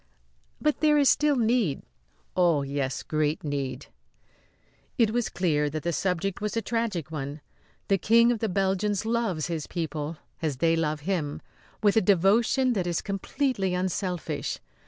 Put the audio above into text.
"But there is still need?" "Oh, yes great need." It was clear that the subject was a tragic one. The King of the Belgians loves his people, as they love him, with a devotion that is completely unselfish.